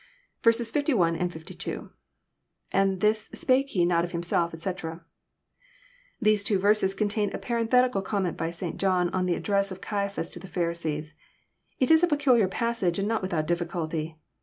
" 61, 52. — lAnd this spake he not of himself , elc] These two verses contain a parenthetical comment by St. John, on the address of Caiaphas to the Pharisees. It is a pecnllar passage, and not without difficulty.